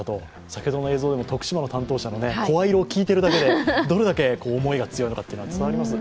先ほどの映像でも徳島の担当者の声色を聞いているだけでどれだけ思いが強いのかっていうのが分かります。